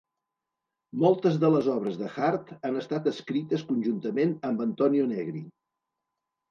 Moltes de les obres de Hardt han estat escrites conjuntament amb Antonio Negri.